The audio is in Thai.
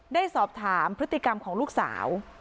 ได้สอบถามพฤติกรรมของลูกสาว